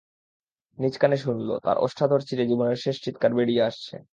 নিজ কানে শুনল, তার ওষ্ঠাধর চিরে জীবনের শেষ চিৎকার বেরিয়ে আসছে।